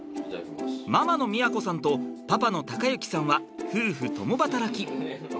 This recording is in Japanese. ママの都さんとパパの崇行さんは夫婦共働き。